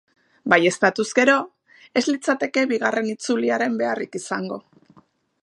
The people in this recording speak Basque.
Baieztatuz gero, ez litzateke bigarren itzuliaren beharrik izango.